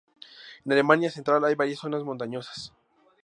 En Alemania Central hay varias zonas montañosas.